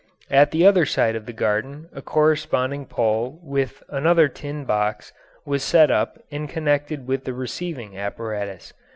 At the other side of the garden a corresponding pole with another tin box was set up and connected with the receiving apparatus.